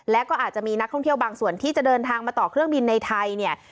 และก็อาจจะมีนักท่องเที่ยวบางส่วนที่จะเดินทางมาต่อเครื่องบินในไทยเนี่ย